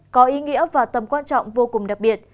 có ý nghĩa và tầm quan trọng vô cùng đặc biệt